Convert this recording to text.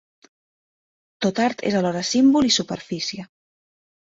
Tot art és alhora símbol i superfície.